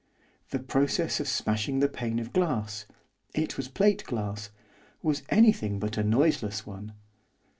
The process of smashing the pane of glass it was plate glass was anything but a noiseless one.